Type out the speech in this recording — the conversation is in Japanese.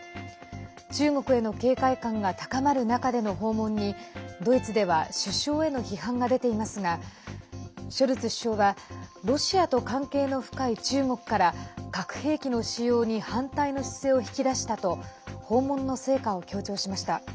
中国への警戒感が高まる中での訪問にドイツでは首相への批判が出ていますがショルツ首相はロシアと関係の深い中国から核兵器の使用に反対の姿勢を引き出したと訪問の成果を強調しました。